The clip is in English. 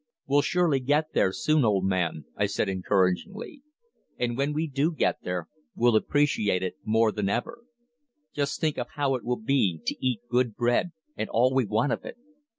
"We'll surely get there soon, old man," I said encouragingly, "and when we do get there, we'll appreciate it more than ever. Just think how it will be to eat good bread, and all we want of it."